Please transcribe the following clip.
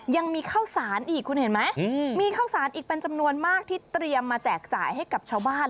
ยังมีข้าวสารอีกคุณเห็นไหมมีข้าวสารอีกเป็นจำนวนมากที่เตรียมมาแจกจ่ายให้กับชาวบ้าน